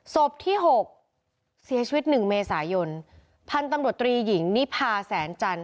ศพที่หกเสียชีวิตหนึ่งเมษายนพันธุ์ตำรวจตรีหญิงนิพาแสนจันท